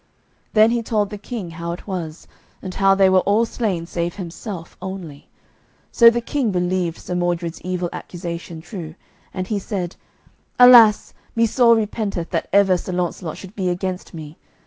Then he told the King how it was, and how they were all slain save himself only. So the King believed Sir Mordred's evil accusation true, and he said: "Alas, me sore repenteth that ever Sir Launcelot should be against me.